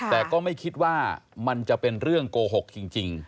แต่ก็ไม่คิดว่ามันจะเป็นเรื่องโกหกจริง